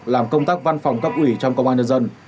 làm công tác văn phòng cấp ủy trong công an nhân dân